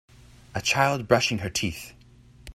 A child brushing her teeth.